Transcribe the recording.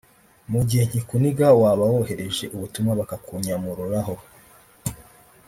mu gihe nkikuniga waba wohereje ubutumwa bakakunyamururaho